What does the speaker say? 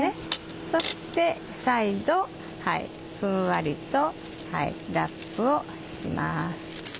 そして再度ふんわりとラップをします。